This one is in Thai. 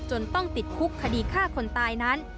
ต้องติดคุกคดีฆ่าคนตายนั้น